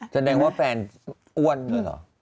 แสดงว่าแฟนอ้วนด้วยเหรอ